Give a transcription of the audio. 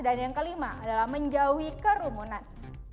dan yang kelima adalah menjauhi kerumunan